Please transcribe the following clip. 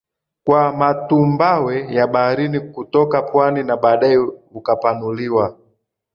kwa matumbawe ya baharini kutoka pwani na baadaye ukapanuliwa